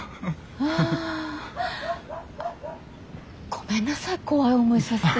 ごめんなさい怖い思いさせて。